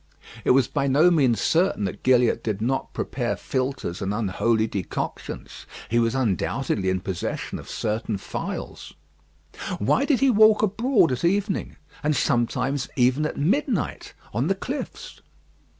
It was by no means certain that Gilliatt did not prepare philters and unholy decoctions. He was undoubtedly in possession of certain phials. Why did he walk abroad at evening, and sometimes even at midnight, on the cliffs?